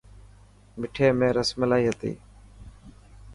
مٺي ۾ رسملائي هتي.